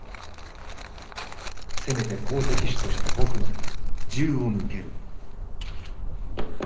せめて好敵手として僕の手で。